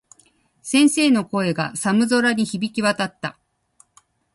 先生の声が、寒空に響き渡った。